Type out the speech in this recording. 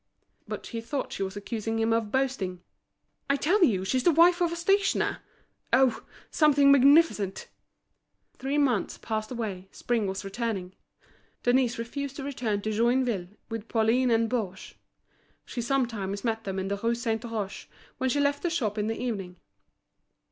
But he thought she was accusing him of boasting. "I tell you she's the wife of a stationer! Oh! something magnificent!" Three months passed away, spring was returning. Denise refused to return to Joinville with Pauline and Baugé. She sometimes met them in the Rue Saint Roch, when she left the shop in the evening.